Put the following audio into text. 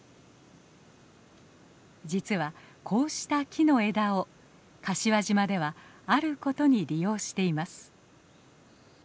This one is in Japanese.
実はこうした木の枝を柏島ではあることに利用しています。